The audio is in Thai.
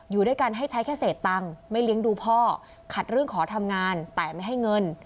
อยู่ด้วยกันให้ใช้แค่เศษตังค์ไม่เลี้ยงดูพ่อขัดเรื่องขอทำงานแต่ไม่ให้เงิน